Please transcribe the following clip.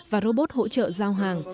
và robot hỗ trợ giao hàng